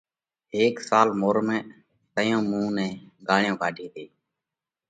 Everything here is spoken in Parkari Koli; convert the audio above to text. هيڪ سال مورمئہ تئين مُون نئہ ڳاۯيون ڪاڍي تي۔